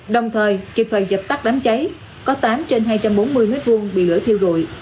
đồng thời kịp thời dập tắt đám cháy có tám trên hai trăm bốn mươi m hai bị lửa thiêu rụi